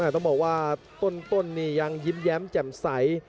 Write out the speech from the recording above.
ต้องบอกว่าต้นนี่ยังยิ้มแย้มแจ่มใส